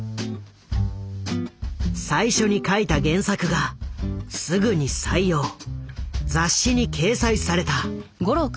最初に書いた原作がすぐに採用雑誌に掲載された。